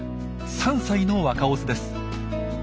３歳の若オスです。